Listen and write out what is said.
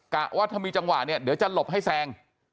ว่าถ้ามีจังหวะเนี่ยเดี๋ยวจะหลบให้แซง